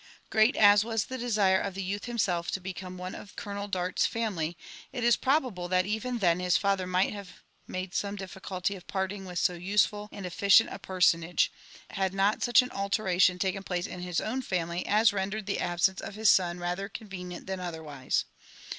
Great as was the desire of (he youth himself to become one of Colo« nel Dart's family, it is probable that even then his father might have made some difficulty of parting with so useful and efficient a personage* had notHuch an alteration taken place in hie own family as rendered the absence of his son rather convenient than otherwise.